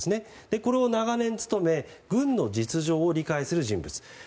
これを長年務め軍の実情を理解する人物。